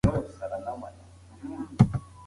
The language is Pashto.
حیواناتو ته اوبه او ډوډۍ ورکول یوه انساني وجیبه ده.